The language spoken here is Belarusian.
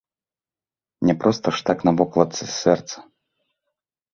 Не проста ж так на вокладцы сэрца.